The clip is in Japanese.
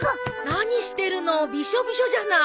何してるのびしょびしょじゃない